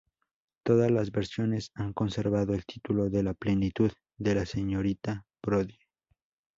Todas las versiones han conservado el título de "La plenitud de la señorita Brodie".